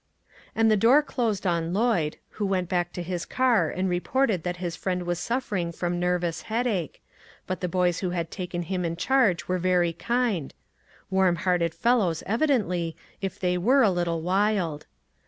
And the door closed on Lloyd, who went back to his car and reported that his friend was suffering from nervous headache, but the boys who had taken him in charge were very kind — warm hearted fellows, evi dently, if they were a little wild.